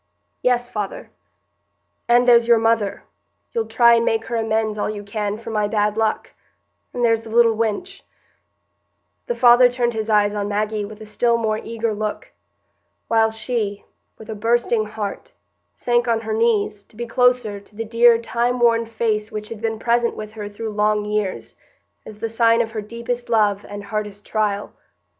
"Yes, father." "And there's your mother—you'll try and make her amends, all you can, for my bad luck—and there's the little wench——" The father turned his eyes on Maggie with a still more eager look, while she, with a bursting heart, sank on her knees, to be closer to the dear, time worn face which had been present with her through long years, as the sign of her deepest love and hardest trial.